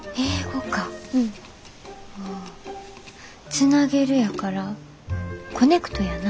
つなげるやからコネクトやな。